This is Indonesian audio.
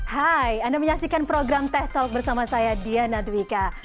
hai anda menyaksikan program teh talk bersama saya diana dwiika